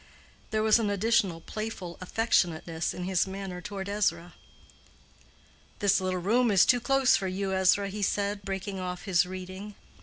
There was an additional playful affectionateness in his manner toward Ezra. "This little room is too close for you, Ezra," he said, breaking off his reading.